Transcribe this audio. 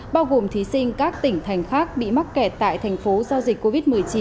bao gồm thí sinh các tỉnh thành khác bị mắc kẹt tại thành phố do dịch covid một mươi chín